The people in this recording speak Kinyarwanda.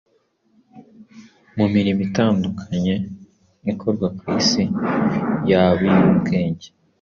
Mu mirimo itandukanye ikorwa ku isi, yaba iy’ubwenge